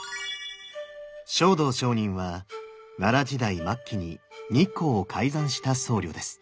勝道上人は奈良時代末期に日光を開山した僧侶です。